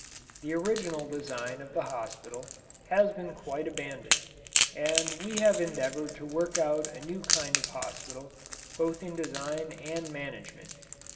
The original design of the hospital has been quite abandoned and we have endeavoured to work out a new kind of hospital, both in design and management.